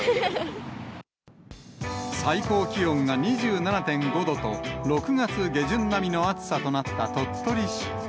最高気温が２７．５度と、６月下旬並みの暑さとなった鳥取市。